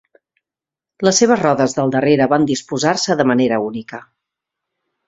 Les seves rodes del darrere van disposar-se de manera única.